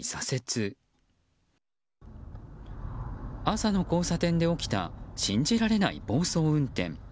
朝の交差点で起きた信じられない暴走運転。